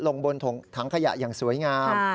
ลงบนถังขยะอย่างสวยงาม